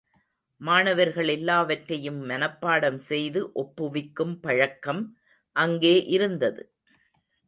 மாணவர்கள் எல்லாவற்றையும் மனப்பாடம் செய்து ஒப்புவிக்கும் பழக்கம் அங்கே இருந்தது.